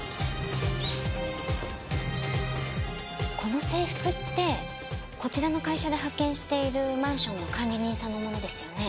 この制服ってこちらの会社で派遣しているマンションの管理人さんのものですよね？